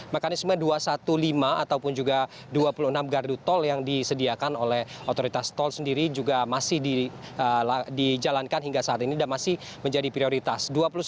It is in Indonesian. mekanisme dua ratus lima belas ataupun juga dua puluh enam gardu tol yang disediakan oleh otoritas tol sendiri juga masih dijalankan hingga saat ini dan masih menjadi prioritas